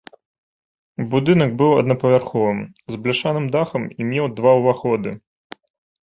Будынак быў аднапавярховым, з бляшаным дахам і меў два ўваходы.